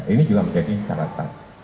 ini juga menjadi syarat